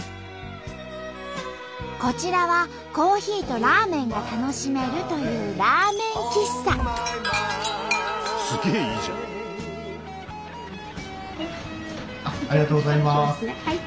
こちらはコーヒーとラーメンが楽しめるというはい。